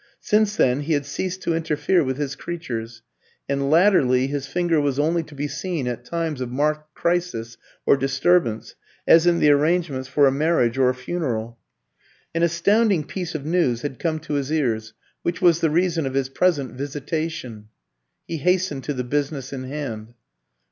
Since then he had ceased to interfere with his creatures; and latterly his finger was only to be seen at times of marked crisis or disturbance, as in the arrangements for a marriage or a funeral. An astounding piece of news had come to his ears, which was the reason of his present visitation. He hastened to the business in hand.